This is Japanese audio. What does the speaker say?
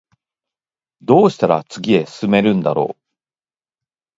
どうしたら次へ進めるんだろう